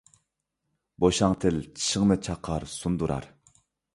بوشاڭ تىل چىشىڭنى چاقار - سۇندۇرار.